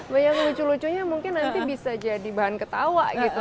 bayang lucu lucunya mungkin nanti bisa jadi bahan ketawa gitu